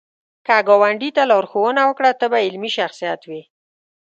که ګاونډي ته لارښوونه وکړه، ته به علمي شخصیت وې